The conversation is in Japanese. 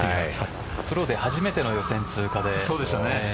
プロで初めての予選通過で。